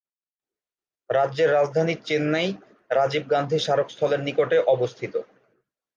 রাজ্যের রাজধানী চেন্নাই রাজীব গান্ধী স্মারক স্থলের নিকটে অবস্থিত।